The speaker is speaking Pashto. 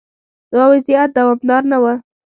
دا وضعیت دوامدار نه و.